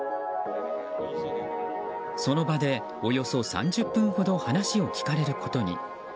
その場で、およそ３０分ほど話を聞かれることに。